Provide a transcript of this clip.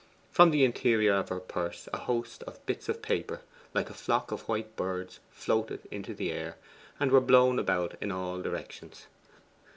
From the interior of her purse a host of bits of paper, like a flock of white birds, floated into the air, and were blown about in all directions.